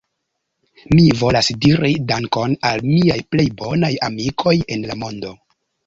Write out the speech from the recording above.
Mi volas diri Dankon al miaj plej bonaj amikoj en la mondo